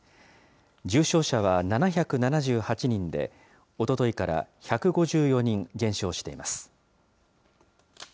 重症者は７７８人で、おとといから１５４人減少しています。